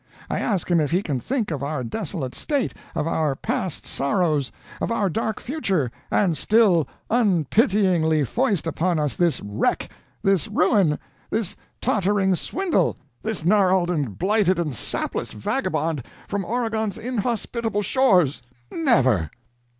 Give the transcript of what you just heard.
I ask him if he can think of our desolate state, of our past sorrows, of our dark future, and still unpityingly foist upon us this wreck, this ruin, this tottering swindle, this gnarled and blighted and sapless vagabond from Oregon's inhospitable shores? Never!'